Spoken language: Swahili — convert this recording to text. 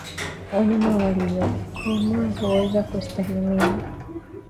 Wanyama waliokomaa huweza kustahimili